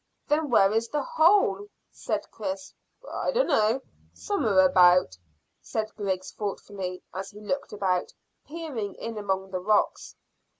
"Then where is the hole?" said Chris. "I dunno; somewhere about," said Griggs thoughtfully, as he looked about, peering in among the rocks.